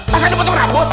masa dipotong rambut